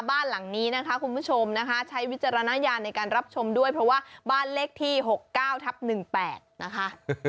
บ้านหลังนี้นะคะคุณผู้ชมนะคะใช้วิจารณญาณในการรับชมด้วยเพราะว่าบ้านเลขที่๖๙ทับ๑๘นะคะ